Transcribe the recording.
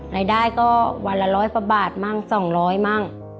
รายได้ก็วันละ๑๐๐กว่าบาทมั่ง๒๐๐มั่ง